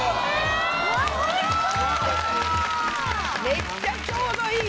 めっちゃちょうどいい。